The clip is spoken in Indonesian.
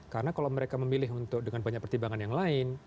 karena kalau mereka memilih untuk dengan banyak pertimbangan yang lain